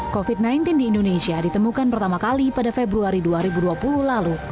covid sembilan belas di indonesia ditemukan pertama kali pada februari dua ribu dua puluh lalu